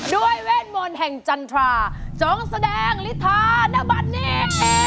เวทมนต์แห่งจันทราจงแสดงลิธานบัตรนี้